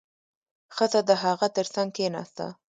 ښځه د هغه تر څنګ کېناسته.